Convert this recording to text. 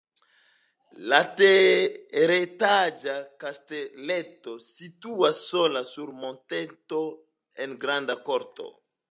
La teretaĝa kasteleto situas sola sur monteto en granda korto.